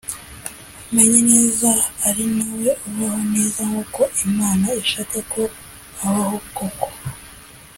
umenye neza ari nawe ubaho neza nk’uko Imana ishaka ko abaho koko